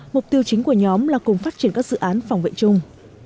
mục tiêu chính của nhóm là cùng phát triển các dự án phòng vệ chung